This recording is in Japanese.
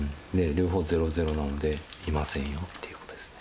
両方ゼロゼロなので、いませんよっていうことですね。